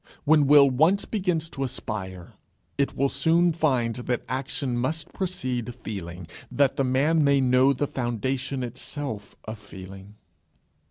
When will once begins to aspire, it will soon find that action must precede feeling, that the man may know the foundation itself of feeling.